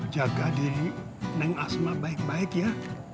jaga diri neng asma baik baik ya